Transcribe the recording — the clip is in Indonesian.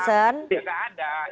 sebentar mbak nianshan